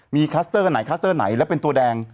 มีคลัสเตอร์อันไหนคลัสเตอร์ไหนและเป็นตัวแดง